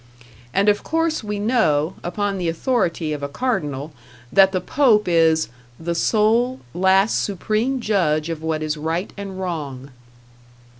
And of course we know, upon the authority of a cardinal, that the Pope is "the sole, last, supreme judge of what is right and wrong."